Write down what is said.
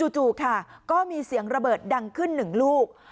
จู่ค่ะก็มีเสียงระเบิดดังขึ้นหนึ่งลูก